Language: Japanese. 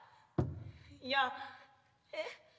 いや。えっ？